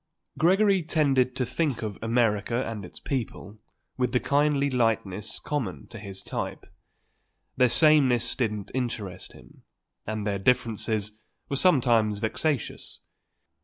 Gregory tended to think of America and its people with the kindly lightness common to his type. Their samenesses didn't interest him, and their differences were sometimes vexatious.